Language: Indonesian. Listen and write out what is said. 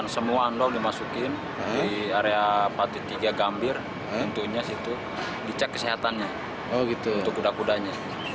semua anlog dimasukin di area patit tiga gambir tentunya di cek kesehatannya untuk kuda kudanya